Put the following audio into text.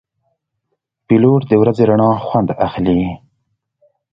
پیلوټ د ورځې رڼا خوند اخلي.